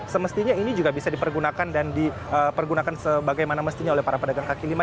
semestinya ini juga bisa dipergunakan dan dipergunakan sebagaimana mestinya oleh para pedagang kaki lima